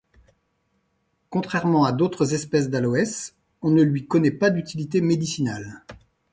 Contrairement à d'autres espèces d'aloès, on ne lui connait pas d'utilité médicinale.